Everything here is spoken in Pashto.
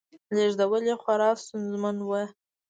لېږدول یې خورا ستونزمن و